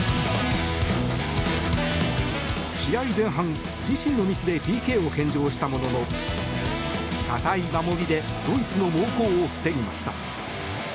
試合前半、自身のミスでＰＫを献上したものの堅い守りでドイツの猛攻を防ぎました。